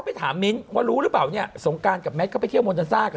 ไม่มีภาพมิ้นบ้างเหรอคะ